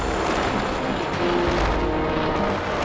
aku akan menghina kau